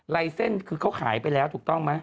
ลายเส้นคือเขาขายไปแล้วถูกต้องไหม